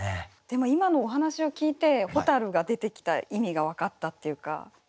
でも今のお話を聞いて蛍が出てきた意味が分かったっていうか。